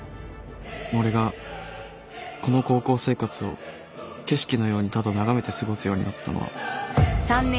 俺がこの高校生活を景色のようにただ眺めて過ごすようになったのは